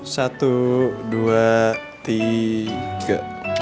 satu dua tiga